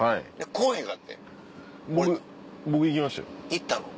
行ったの？